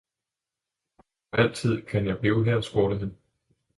Og altid kan jeg blive her? spurgte han.